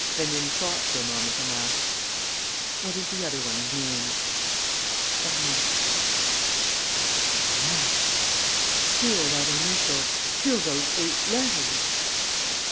Rénine thought for a moment and asked: "What is the other one's name?" "Hermance." "Hermance! Still that initial ... still those eight letters!"